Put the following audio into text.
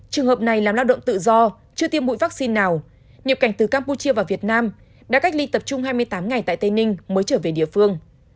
trường hợp này làm lao động tự do chưa tiêm mũi vaccine nào nhập cảnh từ campuchia vào việt nam đã cách ly tập trung hai mươi tám ngày tại tây ninh mới trở về địa phương